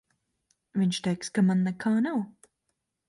Viņš teiks, ka man nekā nav.